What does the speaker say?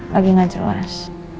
lagi gak jelas